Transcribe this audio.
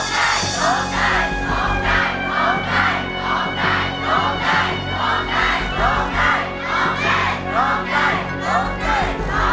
ร้องไจ้ร้องไจ้